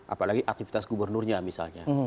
apalagi ativitas gubernurnya misalnya